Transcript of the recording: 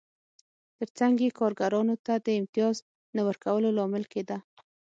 ترڅنګ یې کارګرانو ته د امتیاز نه ورکولو لامل کېده